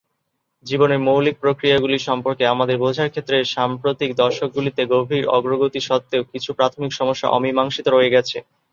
জীবনের মৌলিক প্রক্রিয়াগুলি সম্পর্কে আমাদের বোঝার ক্ষেত্রে সাম্প্রতিক দশকগুলিতে গভীর অগ্রগতি সত্ত্বেও, কিছু প্রাথমিক সমস্যা অমীমাংসিত রয়ে গেছে।